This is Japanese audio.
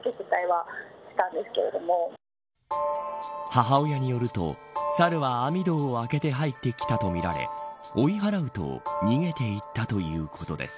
母親によるとサルは網戸を開けて入ってきたとみられ追い払うと逃げていったということです。